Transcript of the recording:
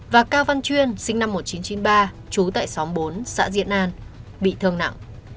và cao văn chuyên sinh năm một nghìn chín trăm chín mươi ba trú tại xóm bốn xã diễn an bị thương nặng